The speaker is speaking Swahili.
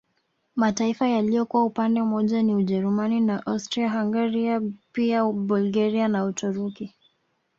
Mataifa yaliyokuwa upande mmoja ni Ujerumani na Austria Hungaria pia Bulgaria na Uturuki